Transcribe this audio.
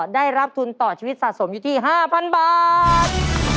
ได้รับทุนต่อชีวิตสะสมอยู่ที่๕๐๐บาท